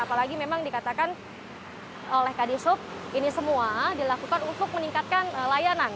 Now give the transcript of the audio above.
apalagi memang dikatakan oleh kd sub ini semua dilakukan untuk meningkatkan layanan